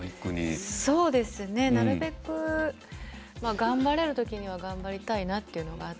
そうですねなるべく頑張れる時には頑張りたいなというのがあって。